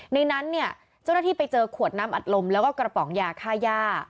ในนั้นเนี่ยเจ้าหน้าที่ไปเจอขวดน้ำอัดลมแล้วก็กระป๋องยาค่าย่า